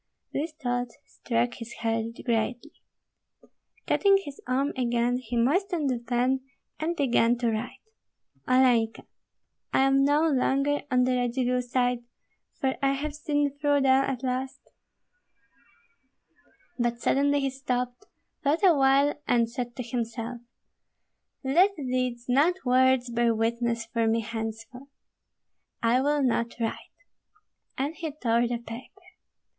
This thought struck his heart greatly. Cutting his arm again, he moistened the pen and began to write, Olenka, I am no longer on the Radzivill side, for I have seen through them at last But suddenly he stopped, thought awhile, and said to himself, "Let deeds, not words, bear witness for me henceforth; I will not write." And he tore the paper.